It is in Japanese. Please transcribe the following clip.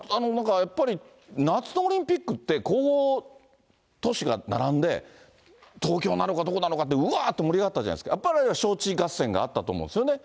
やっぱり夏のオリンピックって、候補都市が並んで、東京なのかどこなのかって、うわーって盛り上がったじゃないですか、あれ、招致合戦があったと思うんですよね。